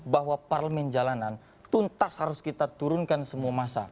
bahwa parlemen jalanan tuntas harus kita turunkan semua masa